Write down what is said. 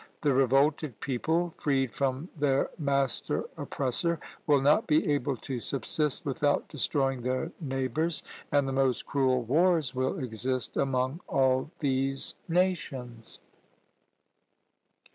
The revolted people, freed from their master oppressor, will not be able to subsist without destroying their neighbours, and the most cruel wars will exist among all these nations."